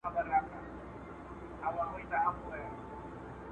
د علم رڼا به زموږ ټولنه له بدبختۍ وباسي.